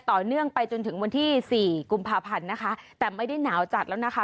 ต่อเนื่องไปจนถึงวันที่สี่กุมภาพันธ์นะคะแต่ไม่ได้หนาวจัดแล้วนะคะ